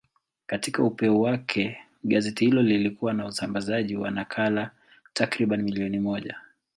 Katika upeo wake, gazeti hilo lilikuwa na usambazaji wa nakala takriban milioni moja.